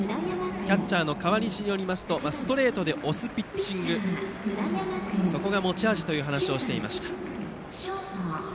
キャッチャーの河西によりますとストレートで押すピッチングが持ち味という話をしていました。